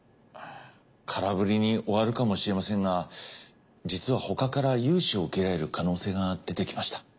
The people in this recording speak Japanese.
空振りに終わるかもしれませんが実は他から融資を受けられる可能性が出てきました。